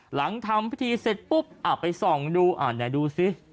หลังทำพิธีเสร็จปุ๊บอ่ะไปส่องดูอ่าไหนดูสิ